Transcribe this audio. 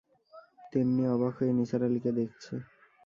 তিন্নি অবাক হয়ে নিসার আলিকে দেখছে।